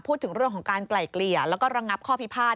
พูดถึงเรื่องของการไกล่เกลี่ยแล้วก็ระงับข้อพิพาท